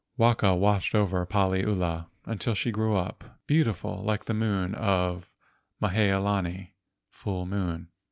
Waka watched over Paliula until she grew up, beautiful like the moon of Mahea lani (full moon).